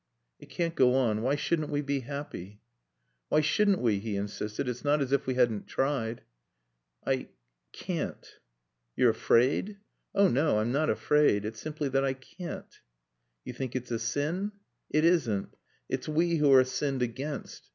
"It can't go on. Why shouldn't we be happy? "Why shouldn't we?" he insisted. "It's not as if we hadn't tried." "I can't." "You're afraid?" "Oh, no, I'm not afraid. It's simply that I can't." "You think it's a sin? It isn't. It's we who are sinned against.